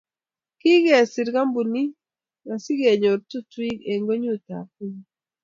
Kikiser kampunit asikocher tutuik eng ngwenyut ab konyo